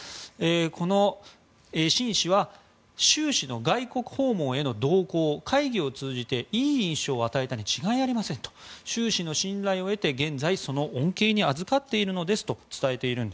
このシン氏は習氏の外国訪問への動向会議を通じていい印象を与えたに違いありませんと習氏の信頼を得て現在その恩恵をあずかっていると。